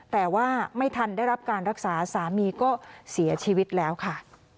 แต่ว่าไม่ทันได้รับการรักษาสามีก็เสียชีวิตแล้วค่ะ